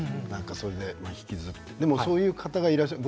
それで引きずったりそういう方がいらっしゃって。